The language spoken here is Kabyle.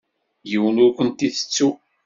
Yiwen ur kent-itettu.